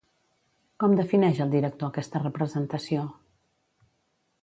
Com defineix el director aquesta representació?